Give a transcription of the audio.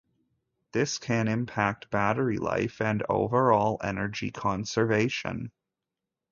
This can impact battery life and overall energy conservation.